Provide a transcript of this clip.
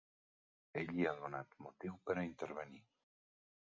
Ell li ha donat motiu per a intervenir.